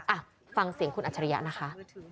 อ่ะฟังเสียงคุณอัจฉริยะนะคะ